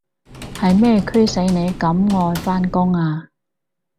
係咩驅使你咁愛返工啊？